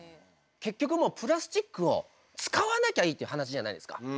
結局もうプラスチックを使わなきゃいいっていう話じゃないですか。